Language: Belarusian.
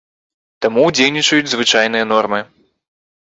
Таму дзейнічаюць звычайныя нормы.